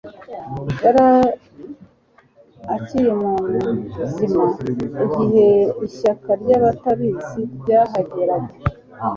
Yari akiri muzima igihe ishyaka ryabatabazi ryahageraga